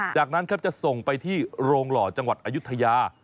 จากนั้นครับจะส่งไปที่โรงหล่อจังหวัดอายุทยา